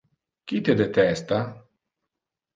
Qui te detesta?